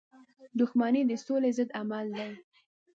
• دښمني د سولی ضد عمل دی.